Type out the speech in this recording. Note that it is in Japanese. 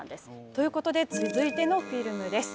ということで続いてのフィルムです。